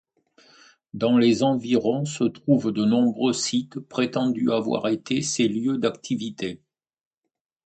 Dans les environs se trouvent de nombreux sites prétendus avoir été ses lieux d’activités.